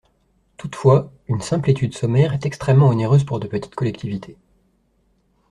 Toutefois, une simple étude sommaire est extrêmement onéreuse pour de petites collectivités.